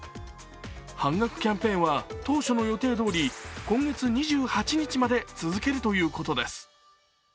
半額キャンペーンは当初の予定どおり今月２８日まで続けるということです。